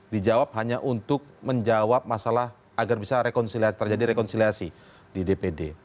dijawab hanya untuk menjawab masalah agar bisa terjadi rekonsiliasi di dpd